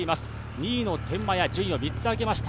２位の天満屋、順位を３つ上げました。